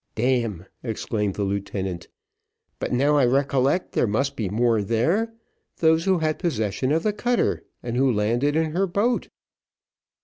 "D n!" exclaimed the lieutenant; "but now I recollect there must be more there; those who had possession of the cutter and who landed in her boat."